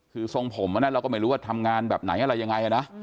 คือทรงผมอันนั้นเราก็ไม่รู้ว่าทำงานแบบไหนอะไรยังไงนะ